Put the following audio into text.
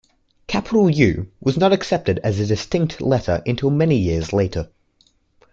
Capital 'U' was not accepted as a distinct letter until many years later.